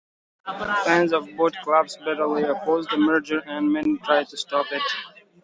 Fans of both clubs bitterly opposed the merger and many tried to stop it.